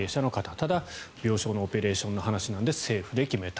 ただ病床のオペレーションの話なので政府が決めた。